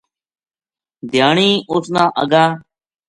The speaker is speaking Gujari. دھیانی اس نا اگا